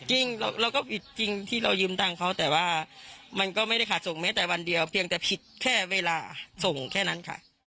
จริงเราก็ผิดจริงที่เรายืมตังค์เขาแต่ว่ามันก็ไม่ได้ขาดส่งแม้แต่วันเดียวเพียงแต่ผิดแค่เวลาส่งแค่นั้นค่ะ